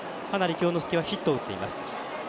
恭之介は今日ヒット打っています。